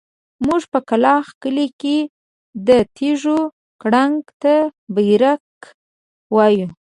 موږ په کلاخ کلي کې د تيږو کړنګ ته بېرکه وايو.